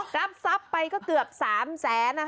รับทรัพย์ไปก็เกือบ๓แสน